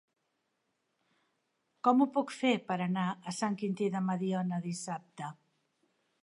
Com ho puc fer per anar a Sant Quintí de Mediona dissabte?